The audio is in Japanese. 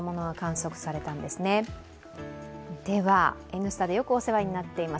「Ｎスタ」でよくお世話になっています